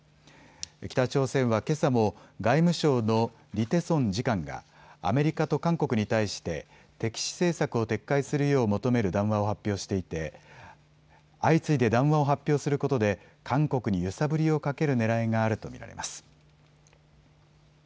北朝鮮はけさも外務省のリ・テソン次官がアメリカと韓国に対して敵視政策を撤回するよう求める談話を発表していて相次いで談話を発表することで韓国に揺さぶりをかけるねらいがあると見られます。